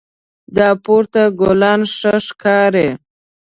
دا پورته ګلان ښه ښکاري